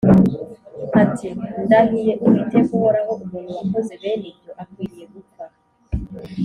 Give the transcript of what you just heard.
ati “Ndahiye Uwiteka uhoraho, umuntu wakoze bene ibyo akwiriye gupfa.